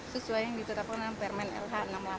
sesuai yang ditetapkan dalam permen lh enam puluh delapan